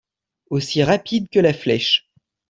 Aussi rapide que la flèche.